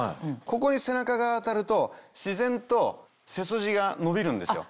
ここに背中が当たると自然と背筋が伸びるんですよ。